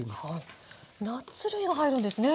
ナッツ類が入るんですね。